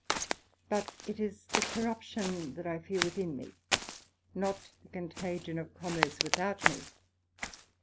But it is the corruption that I fear within me, not the contagion of commerce without me.